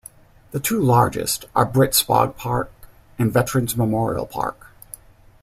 The two largest are Brit Spaugh Park and Veteran's Memorial Park.